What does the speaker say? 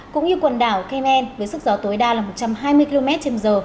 cũng như quần đảo cayman với sức gió tối đa là một trăm hai mươi kmh